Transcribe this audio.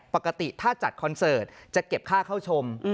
ปกติถ้าจัดคอนเสิร์ตจะเก็บค่าเข้าชม